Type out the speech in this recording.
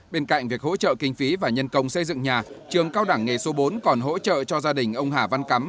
bên cạnh việc hỗ trợ kinh phí và nhân công xây dựng nhà trường cao đẳng nghề số bốn còn hỗ trợ cho gia đình ông hà văn cắm